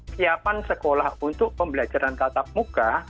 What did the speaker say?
siapan sekolah untuk pembelajaran tatap muka